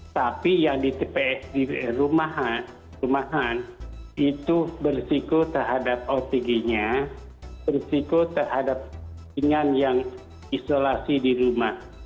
tapi yang di tps di rumahan itu berisiko terhadap otg nya berisiko terhadap ringan yang isolasi di rumah